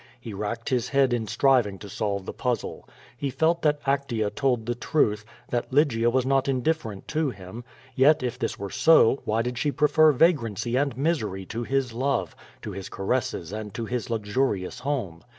He racked his head in striving to solve the puzzle. He felt that Actea told the truth — that Lygia was not indifferent to him. Yet, if this were so, why did she prefer vagrancy and misery to his love, to his caresses and to his luxurious home?